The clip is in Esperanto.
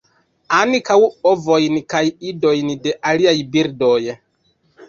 Ankaŭ ovojn kaj idojn de aliaj birdoj.